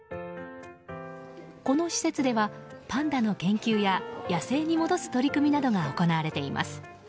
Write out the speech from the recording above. この施設ではパンダの研究や野生に戻す取り組みなどが行われています。